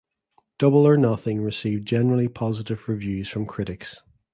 Double or Nothing received generally positive reviews from critics.